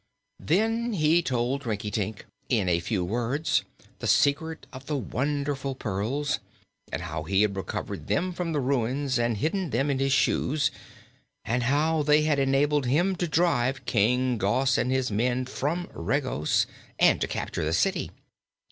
Then he told Rinkitink, in a few words, the secret of the wonderful pearls, and how he had recovered them from the ruins and hidden them in his shoes, and how they had enabled him to drive King Gos and his men from Regos and to capture the city.